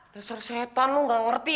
dasar setan lu gak ngerti